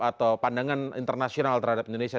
atau pandangan internasional terhadap indonesia